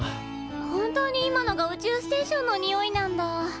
本当に今のが宇宙ステーションのにおいなんだ。